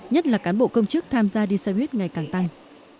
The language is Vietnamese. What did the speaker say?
nhất là cán bộ công chức tham gia đi xe buýt ngày càng tăng